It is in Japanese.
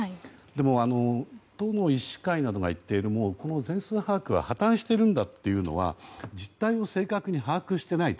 でも、どうも医師会などが言っているこの全数把握は破綻しているんだというのは実態を正確に把握してない。